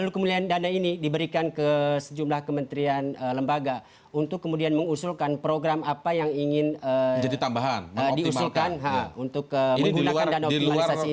kemudian dana ini diberikan ke sejumlah kementerian lembaga untuk kemudian mengusulkan program apa yang ingin diusulkan untuk menggunakan dana optimalisasi ini